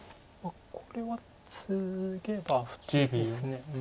これはツゲば普通です。